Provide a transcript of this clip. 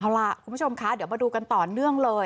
เอาล่ะคุณผู้ชมคะเดี๋ยวมาดูกันต่อเนื่องเลย